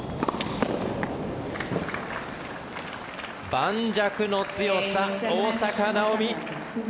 盤石の強さ、大坂なおみ。